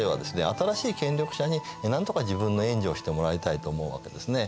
新しい権力者になんとか自分の援助をしてもらいたいと思うわけですね。